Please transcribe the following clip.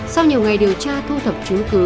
sau nhiều ngày điều tra thu thập chứng cứ